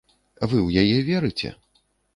Вы ў яе верыце?